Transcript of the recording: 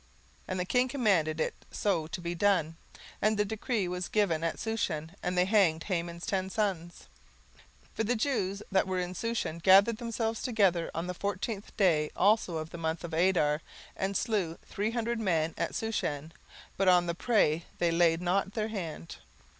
17:009:014 And the king commanded it so to be done: and the decree was given at Shushan; and they hanged Haman's ten sons. 17:009:015 For the Jews that were in Shushan gathered themselves together on the fourteenth day also of the month Adar, and slew three hundred men at Shushan; but on the prey they laid not their hand.